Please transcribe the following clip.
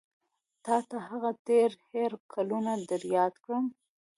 تا ته هغه تېر هېر کلونه در یاد کړم.